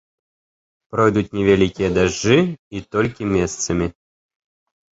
Пройдуць невялікія дажджы і толькі месцамі.